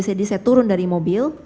jadi saya turun dari mobil